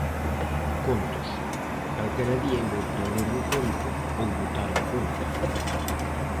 Contos Calquera día é bo para ler un conto ou botar un conto.